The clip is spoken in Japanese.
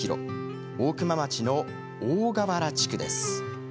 大熊町の大川原地区です。